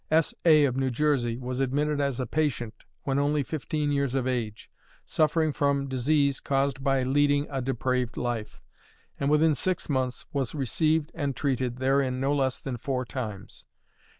S. A., of New Jersey, was admitted as a patient when only fifteen years of age, suffering from disease caused by leading a depraved life, and within six months was received and treated therein no less than four times.